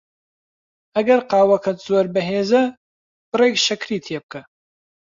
ئەگەر قاوەکەت زۆر بەهێزە، بڕێک شەکری تێ بکە.